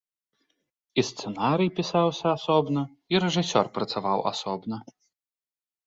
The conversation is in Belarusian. І сцэнарый пісаўся асобна, і рэжысёр працаваў асобна.